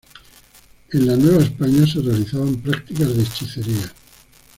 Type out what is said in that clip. En la Nueva España se realizaban prácticas de hechicería.